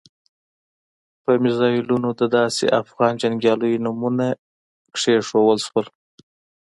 په میزایلونو د داسې افغان جنګیالیو نومونه کېښودل شول.